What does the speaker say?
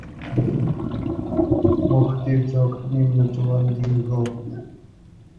মুখ তির্যক, নিম্ন চোয়াল দীর্ঘ।